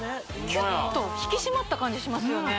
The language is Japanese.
キュッと引き締まった感じしますよね